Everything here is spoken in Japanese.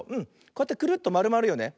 こうやってくるっとまるまるよね。